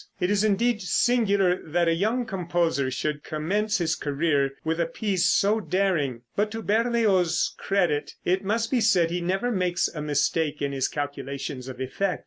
It is indeed singular that a young composer should commence his career with a piece so daring. But to Berlioz's credit it must be said he never makes a mistake in his calculations of effect.